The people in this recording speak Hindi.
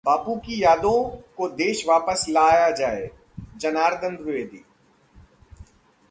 बापू की यादों को देश वापस लाया जाएः जनार्दन द्विवेदी